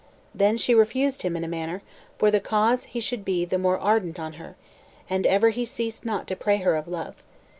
Then she refused him in a manner, for the cause he should be the more ardent on her, and ever he ceased not to pray her of love.